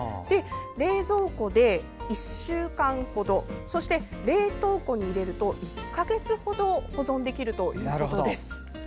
冷蔵庫で１週間ほどそして冷凍庫だと１か月ほど保存できるということです。